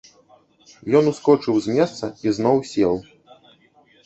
Ён ускочыў з месца і зноў сеў.